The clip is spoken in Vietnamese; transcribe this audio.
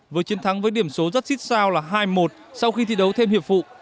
với chiến thắng với điểm số rất xích sao là hai một sau khi thi đấu thêm hiệp vụ